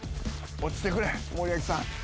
落ちてくれ森脇さん。